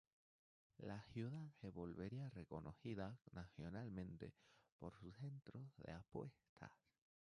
La ciudad se volvería reconocida nacionalmente por sus centros de apuestas.